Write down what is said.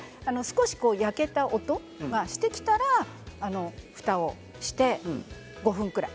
焼けた音がしてきたらふたをして５分ぐらい。